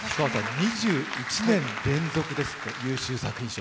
２１年連続です、優秀作品賞。